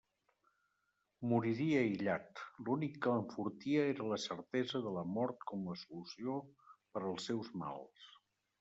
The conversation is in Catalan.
Moriria aïllat; l'únic que l'enfortia era la certesa de la mort com la solució per als seus mals.